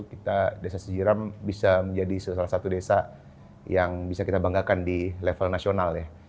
kita desa sejiram bisa menjadi salah satu desa yang bisa kita banggakan di level nasional ya